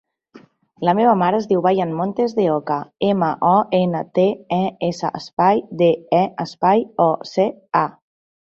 La meva mare es diu Bayan Montes De Oca: ema, o, ena, te, e, essa, espai, de, e, espai, o, ce, a.